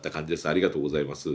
ありがとうございます。